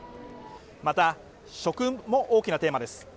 また食も大きなテーマです